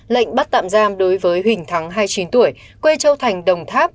lệnh bắt tạm giam đối với huỳnh thắng hai mươi chín tuổi quê châu thành đồng tháp